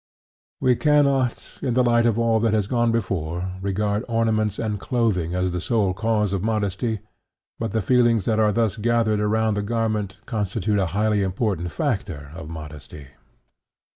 We cannot, in the light of all that has gone before, regard ornaments and clothing as the sole cause of modesty, but the feelings that are thus gathered around the garment constitute a highly important factor of modesty.